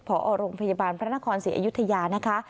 พอโรงพยาบาลพระนครศรีอยุธยานะคะ